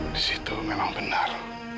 di situ memang benar